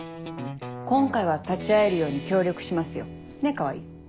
今回は立ち会えるように協力しますよねっ川合。